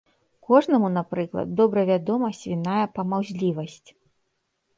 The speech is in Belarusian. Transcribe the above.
Кожнаму, напрыклад, добра вядома свіная памаўзлівасць.